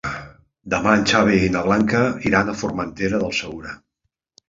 Demà en Xavi i na Blanca iran a Formentera del Segura.